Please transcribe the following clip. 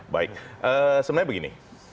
baik sebenarnya begini